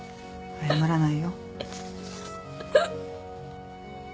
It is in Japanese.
謝らない。